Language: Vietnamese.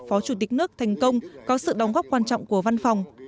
phó chủ tịch nước thành công có sự đóng góp quan trọng của văn phòng